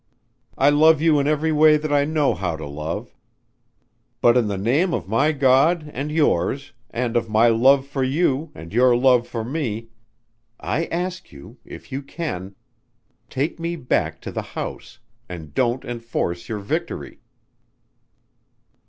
I love you in every way that I know how to love ... but in the name of my God and yours and of my love for you and your love for me ... I ask you if you can take me back to the house and don't enforce your victory."